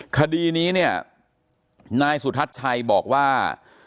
คดีนี้เนี่ยนายสุทัศน์ชัยบอกว่า